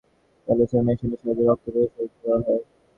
Dialysis মেশিনের সাহায্যে রক্ত পরিশোধিত করা হয়।